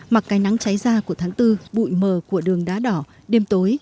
mặc cái nắng cháy ra của tháng bốn bụi mờ của đường đá đỏ đêm tối